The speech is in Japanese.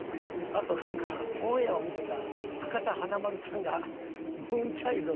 あとオンエアを見てた。